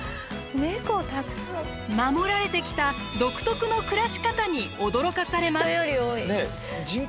守られてきた独特の暮らし方に驚かされます。